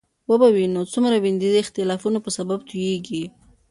وبه وینو څومره وینې د دې اختلافونو په سبب تویېږي.